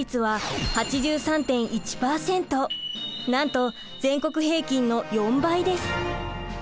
なんと全国平均の４倍です。